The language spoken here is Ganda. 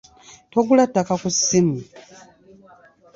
Togulira ttaka ku ssimu.